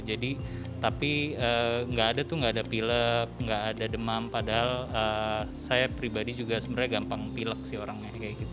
jadi tapi nggak ada tuh nggak ada pilek nggak ada demam padahal saya pribadi juga sebenarnya gampang pilek sih orangnya kayak gitu